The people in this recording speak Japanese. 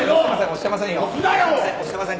押してません。